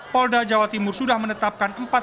polda jawa timur sudah menetapkan